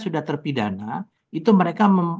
sudah terpidana itu mereka